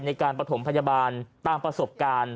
ในการประถมพยาบาลตามประสบการณ์